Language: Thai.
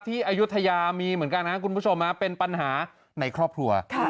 อายุทยามีเหมือนกันนะคุณผู้ชมเป็นปัญหาในครอบครัว